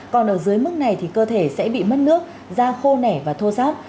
còn ở dưới mức này thì cơ thể sẽ bị mất nước da khô nẻ và thô rác